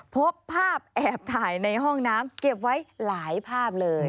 พบภาพแอบถ่ายในห้องน้ำเก็บไว้หลายภาพเลย